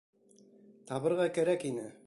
Табырға кәрәк ине.